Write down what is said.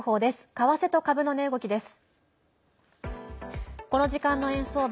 為替と株の値動きです。